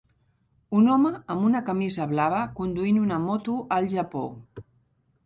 Un home amb una camisa blava conduint una moto al Japó.